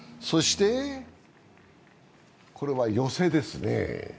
そして、これは寄せですね。